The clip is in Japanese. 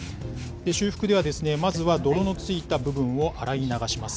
修復ではまずは、泥のついた部分を洗い流します。